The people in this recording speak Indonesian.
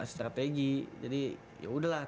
strategi jadi yaudah lah